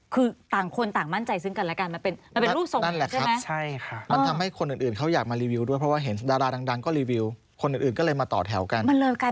คือต่างคนต่างมั่นใจซึ้งกันแล้วกัน